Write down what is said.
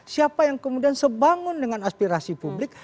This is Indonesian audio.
siapa yang kemudian sebangun dengan aspirasi publik